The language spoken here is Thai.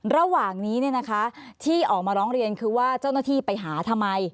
ระหว่างนี้ที่ออกมาร้องเรียนคือว่าเจ้าหน้าที่ไปหาทำไม